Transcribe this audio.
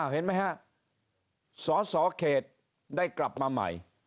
เห็นมั้ยศสอเกตกลับมาใหม่